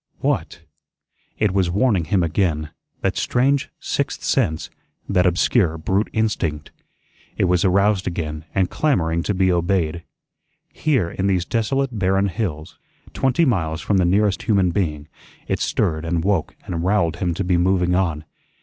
What! It was warning him again, that strange sixth sense, that obscure brute instinct. It was aroused again and clamoring to be obeyed. Here, in these desolate barren hills, twenty miles from the nearest human being, it stirred and woke and rowelled him to be moving on.